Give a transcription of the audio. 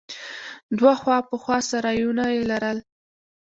دوه خوا په خوا سرايونه يې لرل.